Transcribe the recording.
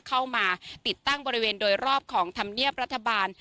เข้ามาติดตั้งบริเวณโดยรอบของธรรมเนียบรัฐบาล